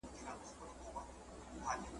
مینه اور شوه سره لمبه شوه زما زړه پکې لویدلی